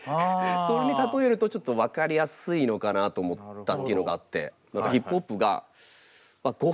それに例えるとちょっと分かりやすいのかなと思ったっていうのがあって。